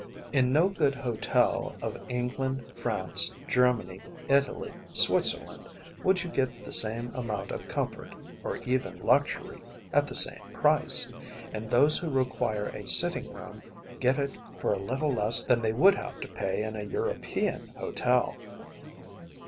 In no good hotel of England, France, Germany, Italy, Switzerland, would you get the same amount of comfort, or even luxury, at the same price, and those who require a sitting room get it for a little less than they would have to pay in a European hotel.